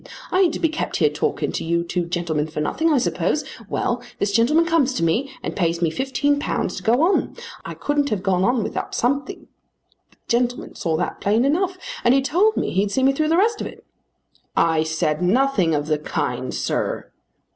I ain't to be kept here talking to you two gentlemen for nothing, I suppose. Well; this gentleman comes to me and pays me £15 to go on. I couldn't have gone on without something. The gentleman saw that plain enough. And he told me he'd see me through the rest of it." "I said nothing of the kind, sir."